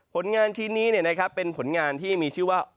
ผลงานชิ้นนี้เป็นผลงานที่มีชื่อว่า